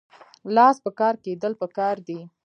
لاس په کار کیدل پکار دي